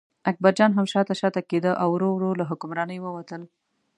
اکبرجان هم شاته شاته کېده او ورو ورو له حکمرانۍ ووتل.